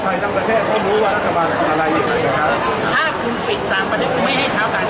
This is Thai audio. อาหรับเชี่ยวจามันไม่มีควรหยุด